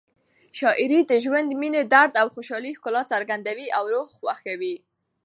شاعري د ژوند، مینې، درد او خوشحالۍ ښکلا څرګندوي او روح خوښوي.